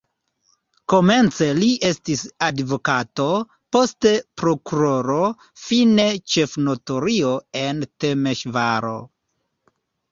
Komence li estis advokato, poste prokuroro, fine ĉefnotario en Temeŝvaro.